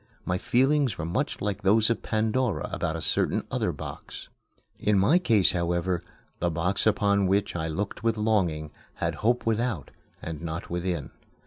My feelings were much like those of Pandora about a certain other box. In my case, however, the box upon which I looked with longing had Hope without, and not within.